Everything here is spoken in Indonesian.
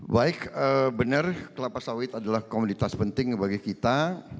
baik benar kelapa sawit adalah komoditas penting bagi kita